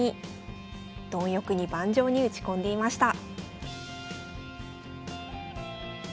貪欲に盤上に打ち込んでいました。